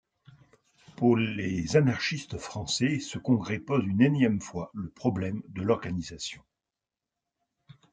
Pour les anarchistes français, ce congrès pose une énième fois le problème de l’organisation.